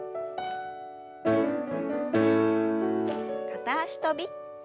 片脚跳び。